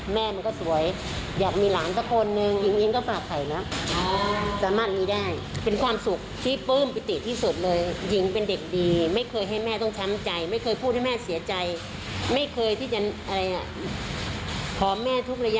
ไม่ได้ก็เลยแบบก็มีความรู้สึกว่าเขาพูดคำเดียวบอกแม่